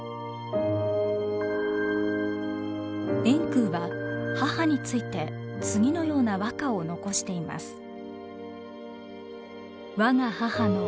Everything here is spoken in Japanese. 円空は母について次のような和歌を残しています。